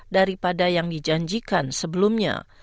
daripada yang dijanjikan sebelumnya